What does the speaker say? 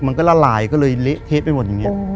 ละลายก็เลยเละเทะไปหมดอย่างนี้